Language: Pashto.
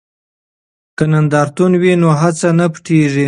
که نندارتون وي نو هڅه نه پټیږي.